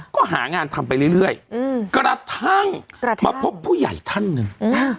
ก็หางานทำไปเรื่อยอืมกระทั่งมาพบผู้ใหญ่ท่านหนึ่ง